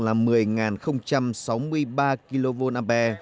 là một mươi sáu mươi ba kva